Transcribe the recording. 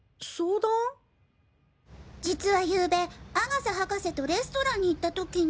実はゆうべ阿笠博士とレストランに行った時に。